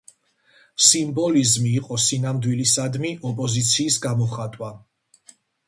სიმბოლიზმი იყო სინამდვილისადმი ოპოზიციის გამოხატვა.